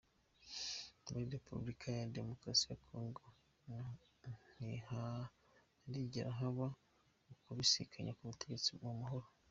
Muri Republika ya Democrasi ya Congo ntiharigera haba ukubisikanya ku butegetsi mu mahoro.